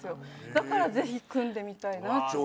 だからぜひ組んでみたいなっていう。